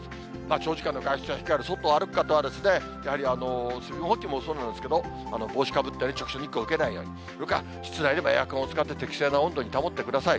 長時間の外出は控える、外を歩く方は、やはり水分補給もそうなんですけど、帽子かぶったり、直射日光受けないように、室内でもエアコンを使って適正な温度に保ってください。